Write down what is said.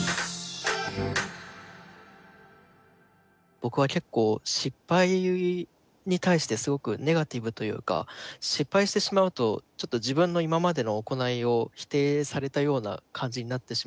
僕は結構失敗に対してすごくネガティブというか失敗してしまうとちょっと自分の今までの行いを否定されたような感じになってしまって。